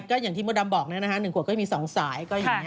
ก็อย่างที่โมดำบอกนะครับ๑ขวดก็จะมี๒สาย